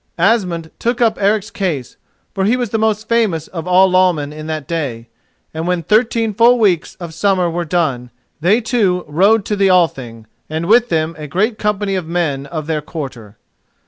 Asmund took up Eric's case, for he was the most famous of all lawmen in that day, and when thirteen full weeks of summer were done, they two rode to the Thing, and with them a great company of men of their quarter.